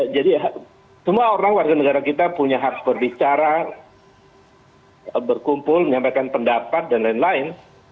jadi semua orang warga negara kita punya hak berbicara berkumpul menyampaikan pendapat dan lain lain